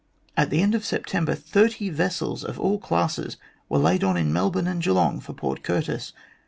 At the end of September, thirty vessels of all classes were laid on in Melbourne and Geelong for Port Curtis.